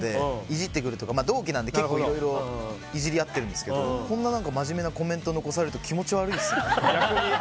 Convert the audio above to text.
イジってくるというか同期なのでイジり合っているんですがこんな真面目なコメントを残されると気持ち悪いですね。